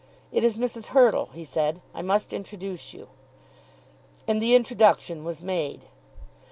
"It is Mrs. Hurtle," he said, "I must introduce you," and the introduction was made.